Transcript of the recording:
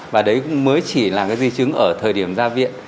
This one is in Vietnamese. và đấy cũng mới chỉ là cái di chứng ở thời điểm ra viện